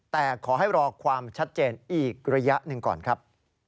แต่ขอให้รอความชัดเจนอีกระยะหนึ่งก่อนครับ